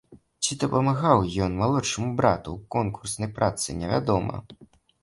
Ці дапамагаў ён малодшаму брату ў конкурснай працы, невядома.